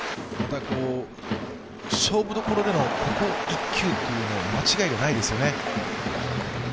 勝負どころでの、ここ一球に間違いがないですよね。